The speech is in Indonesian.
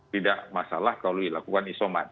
tidak masalah kalau dilakukan isoman